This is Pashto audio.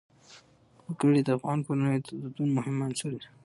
وګړي د افغان کورنیو د دودونو مهم عنصر دی.